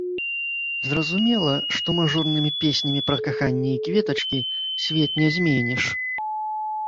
Зразумела, што мажорнымі песнямі пра каханне і кветачкі свет не зменіш.